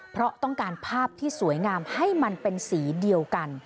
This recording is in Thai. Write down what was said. เพราะต้องการภาพที่สวยงามให้มันเป็นสีเดียวกัน